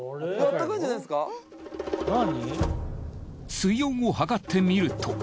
水温を測ってみると。